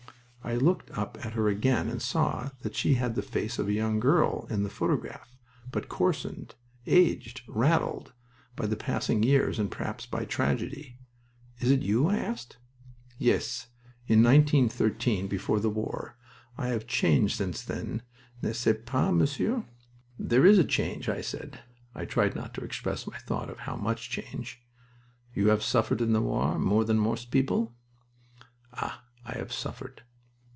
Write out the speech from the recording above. I looked up at her again and saw that she had the face of the young girl in the photograph, but coarsened, aged, raddled, by the passing years and perhaps by tragedy. "It is you?" I asked. "Yes, in 1913, before the war. I have changed since then n'est ce pas, Monsieur?" "There is a change," I said. I tried not to express my thought of how much change. "You have suffered in the war more than most people?" "Ah, I have suffered!"